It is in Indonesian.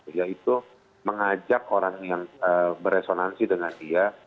dia itu mengajak orang yang beresonansi dengan dia